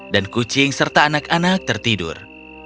dan kucing serta anak anak tertidur